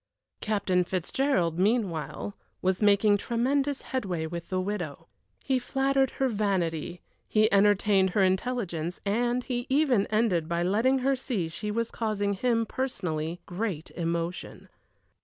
Captain Fitzgerald, meanwhile, was making tremendous headway with the widow. He flattered her vanity, he entertained her intelligence, and he even ended by letting her see she was causing him, personally, great emotion.